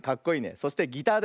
そしてギターだよ。